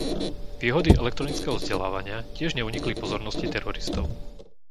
Výhody elektronického vzdelávania tiež neunikli pozornosti teroristov.